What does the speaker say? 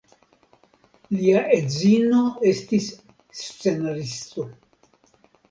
Lia edzino estis scenaristo.